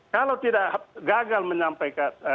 kalau tidak gagal menyampaikan